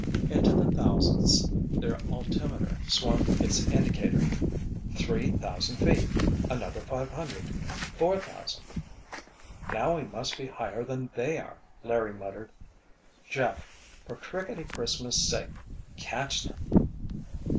Into the thousands their altimeter swung its indicator. Three thousand feet! Another five hundred! Four thousand! "Now we must be higher than they are!" Larry muttered. "Jeff—for crickety Christmas' sake—catch them!"